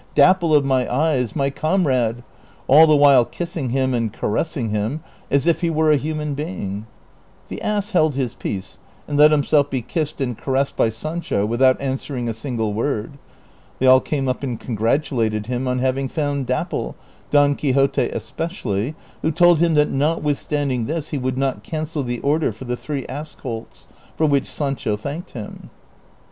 Dapple of my eyes, my comrade ?" all the while kissing him and caressing him as if he were a human being. The ass held his peace, and let himself be kissed and caressed by Sancho without answering a single word. They all came up and congratulated him on having found Dapple, Don Qui xote especially, who told him that notwithstanding this he would not cancel the order for the three ass colts, for which Sancho thanked him.